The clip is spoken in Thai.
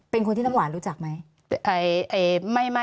เป็นคนที่น้ำหวานรู้จักไหม